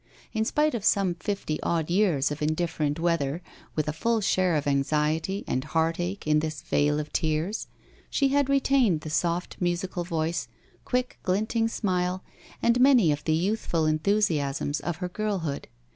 In spite of some fifty odd years of indifferent weather, with a full share of anxiety and heartache in this vale of tears, she had retained the soft musical voice, quick glinting smile, and many of the youthful enthusiasms of her girlhood.